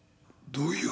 どういう。